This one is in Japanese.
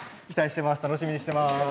期待してます。